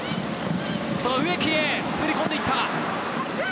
その植木へ、滑り込んでいった！